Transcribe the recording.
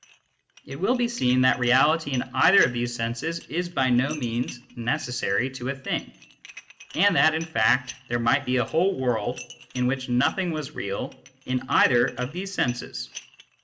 It will be seen that reality in either of these senses is by no means necessary to a thing, and that in fact there might be a whole world in which nothing was real in either of these senses.